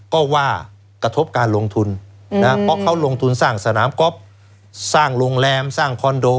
ก็ว่ากระทบการลงทุนเพราะเขาลงทุนสร้างสนามก๊อฟสร้างโรงแรมสร้างคอนโด